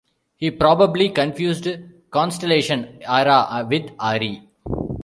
He probably confused constellation "Ara" with "Ari".